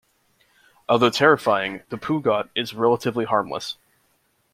Although terrifying, the "pugot" is relatively harmless.